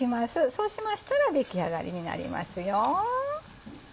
そうしましたら出来上がりになりますよ。